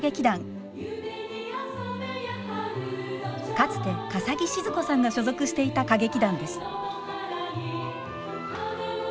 かつて笠置シヅ子さんが所属していた歌劇団です。